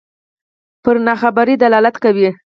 پر ناخبرۍ دلالت کوي.